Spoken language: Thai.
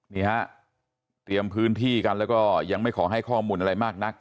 นี่ฮะเตรียมพื้นที่กันแล้วก็ยังไม่ขอให้ข้อมูลอะไรมากนัก